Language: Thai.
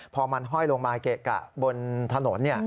พอมันห้อยลงมาเกะกะบนถนน